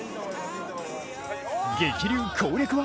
激流攻略は？